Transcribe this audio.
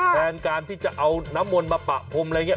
แทนการที่จะเอาน้ำมนต์มาปะพรมอะไรอย่างนี้